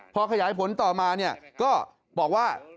พอขยายผลต่อมาก็บอกว่า